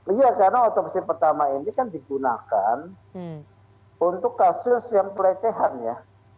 iya karena otopsi pertama ini kan digunakan untuk kasus yang pelecehan ya